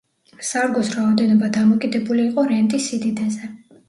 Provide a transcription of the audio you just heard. სარგოს რაოდენობა დამოკიდებული იყო რენტის სიდიდეზე.